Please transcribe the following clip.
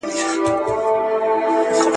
مربع څلور کونجونه لري.